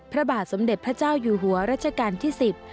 พระบาทสมเด็จพระเจ้าอยู่หัวรัชกาลที่สิบ